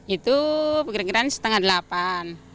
itu kira kira setengah delapan